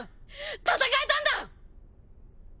戦えたんだ！